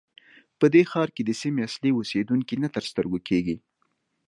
په دې ښار کې د سیمې اصلي اوسېدونکي نه تر سترګو کېږي.